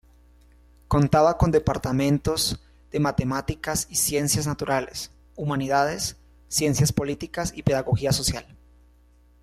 Contaba con departamentos de Matemáticas y Ciencias Naturales, Humanidades, Ciencias Políticas y Pedagogía Social.